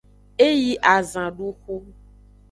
E yi azanduxu.